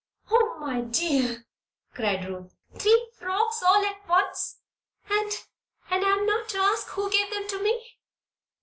"Oh, my dear!" cried Ruth. "Three frocks all at once! And and I'm not to ask who gave them to me?"